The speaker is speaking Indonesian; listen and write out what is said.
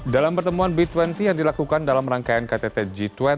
dalam pertemuan b dua puluh yang dilakukan dalam rangkaian ktt g dua puluh